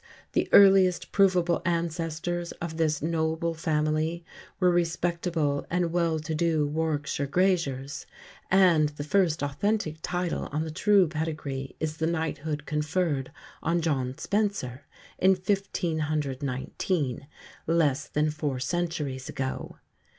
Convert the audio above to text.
the earliest provable ancestors of this "noble" family were respectable and well to do Warwickshire graziers, and the first authentic title on the true pedigree is the knighthood conferred on John Spencer in 1519, less than four centuries ago.